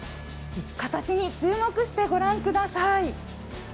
形に注目して御覧ください。